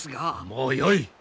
もうよい。